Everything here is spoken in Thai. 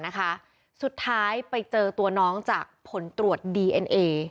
นะคะสุดท้ายไปเจอตัวน้องจากผลตรวจดีเอ็นเอ